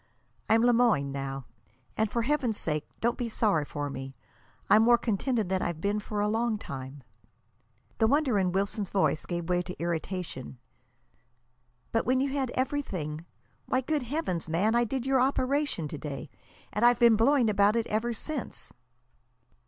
I'm Le Moyne now. And, for Heaven's sake, don't be sorry for me. I'm more contented than I've been for a long time." The wonder in Wilson's voice was giving way to irritation. "But when you had everything! Why, good Heavens, man, I did your operation to day, and I've been blowing about it ever since."